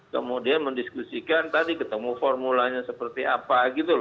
kemudian mendiskusikan tadi ketemu formulanya seperti apa